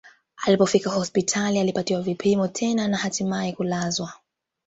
Alipofika hospitali alipatiwa vipimo tena na hatimae kulazwa